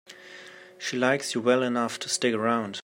She likes you well enough to stick around.